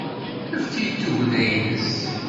Efk-iyi-d tugna-nnes!